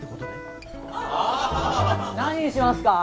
何にしますか？